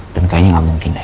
dan kayaknya gak mungkin deh